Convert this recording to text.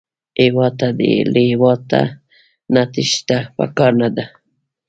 هېواد ته له هېواده نه تېښته پکار نه ده